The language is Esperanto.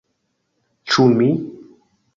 - Ĉu mi?